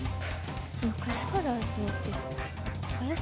昔からあるのって。